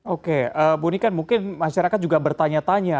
oke bunyikan mungkin masyarakat juga bertanya tanya